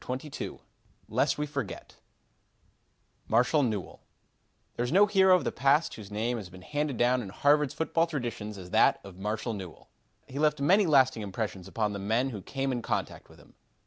CHAPTER XXII LEST WE FORGET Marshall Newell There is no hero of the past whose name has been handed down in Harvard's football traditions as that of Marshall Newell. He left many lasting impressions upon the men who came in contact with him.